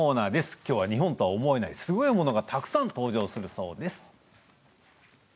きょうは日本とは思えないすごいものがたくさん登場するそうです。